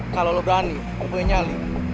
kalau lo berani lo boleh nyali